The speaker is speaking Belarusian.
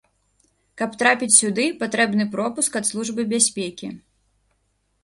Каб трапіць сюды, патрэбны пропуск ад службы бяспекі.